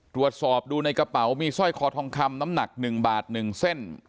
ตรวจสอบดูในกระเป๋ามีสร้อยคอทองคำน้ำหนัก๑บาท๑เส้น